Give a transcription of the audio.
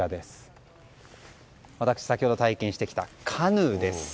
私、先ほど体験してきたカヌーです。